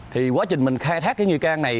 thì quá trình mình khai thác cái nghi can này